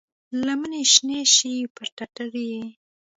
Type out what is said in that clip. لمنې شنې شي پر ټټر یې،